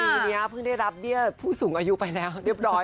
นี้เพิ่งได้รับเบี้ยผู้สูงอายุไปแล้วเรียบร้อย